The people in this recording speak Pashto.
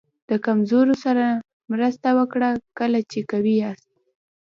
د کمزورو سره مرسته وکړه کله چې قوي یاست.